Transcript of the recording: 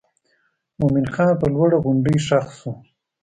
مومن خان پر لوړه غونډۍ ښخ شو.